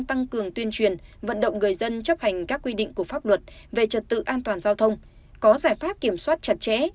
tăng cường tuyên truyền vận động người dân chấp hành các quy định của pháp luật về trật tự an toàn giao thông có giải pháp kiểm soát chặt chẽ